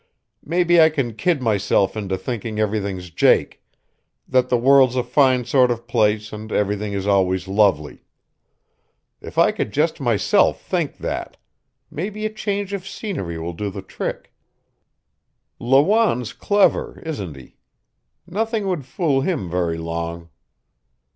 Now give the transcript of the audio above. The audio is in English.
Maybe I can kid myself into thinking everything's jake, that the world's a fine sort of place and everything is always lovely. If I could just myself think that maybe a change of scenery will do the trick. Lawanne's clever, isn't he? Nothing would fool him very long."